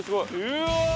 うわ！